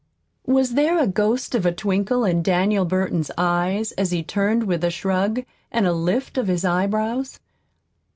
(Was there a ghost of a twinkle in Daniel Burton's eyes as he turned with a shrug and a lift of his eyebrows?)